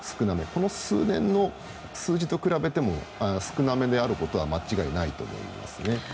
ここ数年の数字と比べても少なめであることは間違いないと思いますね。